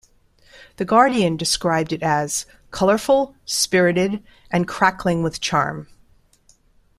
The Guardian described it as, 'Colourful, spirited and crackling with charm.